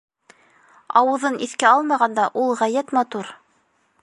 Ауыҙын иҫкә алмағанда, ул ғәйәт матур.